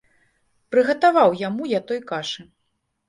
Прыгатаваў яму я той кашы.